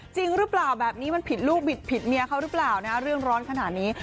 จริงหรือเปล่าแบบนี้มันผิดลูกบิดผิดเมียเขาหรือเปล่านะเรื่องร้อนขนาดนี้